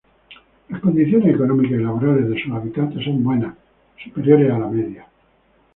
Las condiciones económicas y laborales de sus habitantes son buenas, superiores a la media.